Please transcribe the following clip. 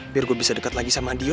biar gue bisa dekat lagi sama dio